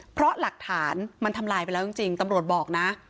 เพราะหลักฐานมันทำลายไปแล้วจริงตำรวจบอกนะ